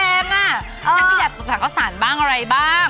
แล้วอ่ะจะคิดถึงสัมภาษาเข้าสานอะไรบ้าง